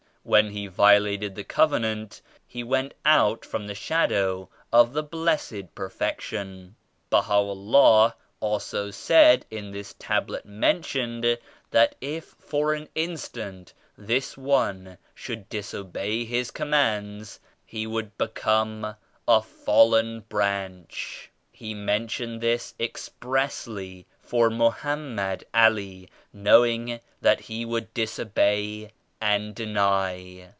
When he violated the Covenant he went out from the shadow of the Blessed Perfection. BahaVllah also said in this Tablet mentioned, that if for an instant this one should disobey His Commands, he would become a ^fallen branch.' He mentioned this expressly for Mohammed Ali knowing that he would disobey and deny.